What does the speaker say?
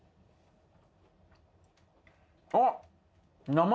あっ！